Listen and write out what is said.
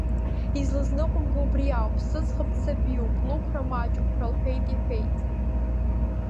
Излызныҟәымго убри ауп сыӡӷаб дсабиуп, лықәра маҷуп, ҳәа лҳәеит иҳәеит.